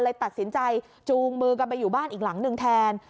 ตัดสินใจจูงมือกันไปอยู่บ้านอีกหลังหนึ่งแทน